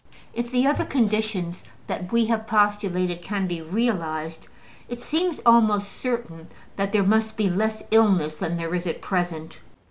If the other conditions that we have postulated can be realized, it seems almost certain that there must be less illness than there is at present.